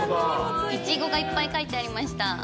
いちごがいっぱい描いてありました。